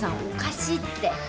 おかしいって。